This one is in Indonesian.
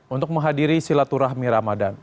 untuk menghadiri silaturahmi ramadan